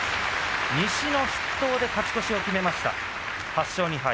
西の筆頭で勝ち越しを決めました８勝２敗。